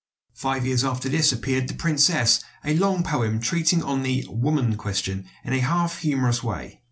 Five years after this appeared "The Princess," a long poem treating of the "woman question" in a half humorous way.